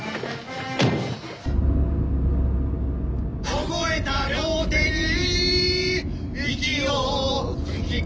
「こごえた両手に息をふきかけて」